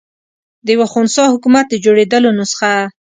د یوه خنثی حکومت د جوړېدلو نسخه.